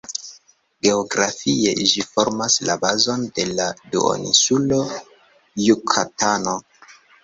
Geografie ĝi formas la bazon de la duoninsulo Jukatano.